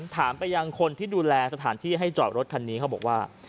ถามไปยังคนที่ดูแลสถานที่ให้จอดรถคันนี้เขาบอกว่า